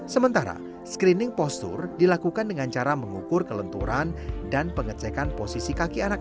sementara screening postur dilakukan dengan cara mengukur kelenturan dan pengecekan posisi kaki anak